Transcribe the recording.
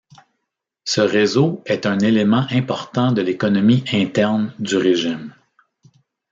Ce réseau est un élément important de l’économie interne du régime.